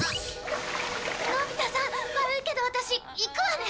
のび太さん悪いけどワタシ行くわね。